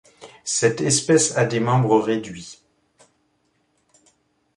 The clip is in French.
Cette espèce a des membres réduits.